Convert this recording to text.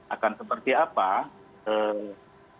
kita hanya proyeksi kira kira ke depan ini akan seperti apa